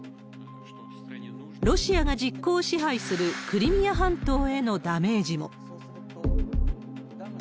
ロシアが実効支配するクリミア半島へのダメージも。